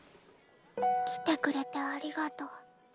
来てくれてありがとう。